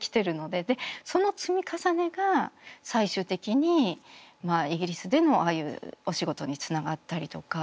でその積み重ねが最終的にイギリスでのああいうお仕事につながったりとか。